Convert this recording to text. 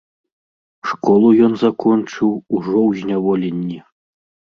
Школу ён закончыў ужо ў зняволенні.